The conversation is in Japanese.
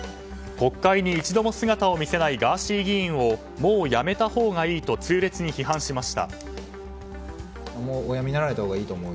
国会に一度も姿を見せないガーシー議員をもう辞めたほうがいいと痛烈に批判しました。